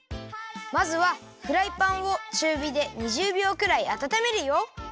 まずはフライパンをちゅうびで２０びょうくらいあたためるよ。